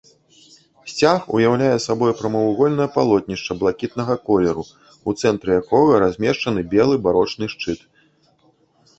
Сцяг уяўляе сабой прамавугольнае палотнішча блакітнага колеру, у цэнтры якога размешчаны белы барочны шчыт.